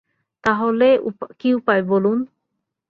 তা হলে কী উপায় বলুন।